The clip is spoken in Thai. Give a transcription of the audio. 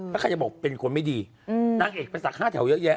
แล้วใครจะบอกเป็นคนไม่ดีนางเอกไปสัก๕แถวเยอะแยะ